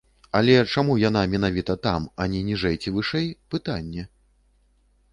Але чаму яна менавіта там, а не ніжэй ці вышэй, пытанне.